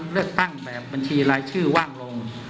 เลือกตั้งแบบบัญชีรายชื่อว่างลง